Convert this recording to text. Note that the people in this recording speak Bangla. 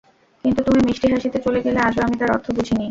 কিন্তু তুমি মিষ্টি হাসিতে চলে গেলে আজও আমি তার অর্থ বুঝিনি।